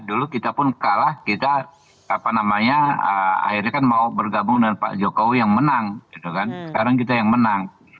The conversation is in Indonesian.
ya kita setelah kalah kita akhirnya kan mau bergabung dengan pak jokowi yang menang sekarang kita yang menang